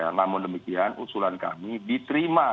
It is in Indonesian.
namun demikian usulan kami diterima